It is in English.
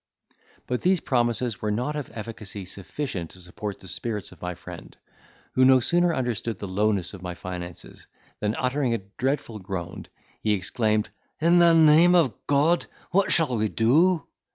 But these promises were not of efficacy sufficient to support the spirits of my friend, who no sooner understood the lowness of my finances, than, uttering a dreadful groan, he exclaimed, "In the name of God, what shall we do?"